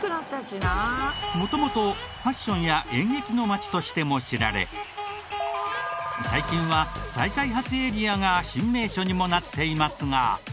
元々ファッションや演劇の街としても知られ最近は再開発エリアが新名所にもなっていますが。